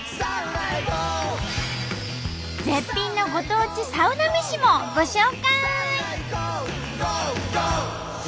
絶品のご当地サウナ飯もご紹介！